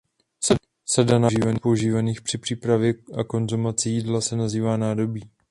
Sada nádob používaných při přípravě a konzumaci jídla se nazývá nádobí.